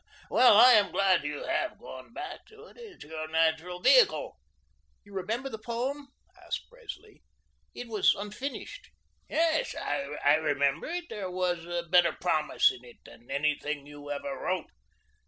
Well, I am glad you have gone back to it. It is your natural vehicle." "You remember the poem?" asked Presley. "It was unfinished." "Yes, I remember it. There was better promise in it than anything you ever wrote.